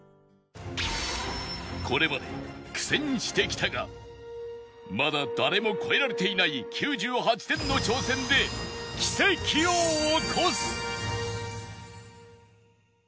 これまで苦戦してきたがまだ誰も超えられていない９８点の挑戦で奇跡を起こす！